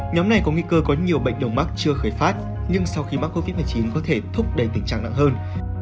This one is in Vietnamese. nhóm này có nguy cơ có nhiều bệnh đồng mắc chưa khởi phát nhưng sau khi mắc covid một mươi chín có thể thúc đẩy tình trạng nặng hơn